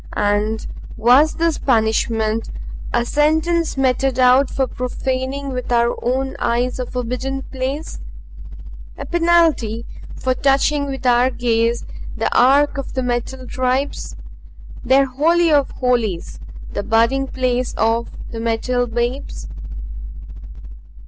And was this punishment a sentence meted out for profaning with our eyes a forbidden place; a penalty for touching with our gaze the ark of the Metal Tribes their holy of holies the budding place of the Metal Babes?